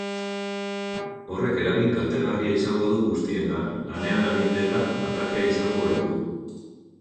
Horrek eragin kaltegarria izango du guztiengan, lanean ari dela atakea izango baitu.